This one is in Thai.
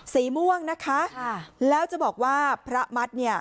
สีม่วงนะคะแล้วจะบอกว่าพระมัดเนี่ย